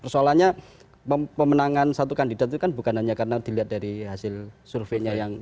persoalannya pemenangan satu kandidat itu kan bukan hanya karena dilihat dari hasil surveinya yang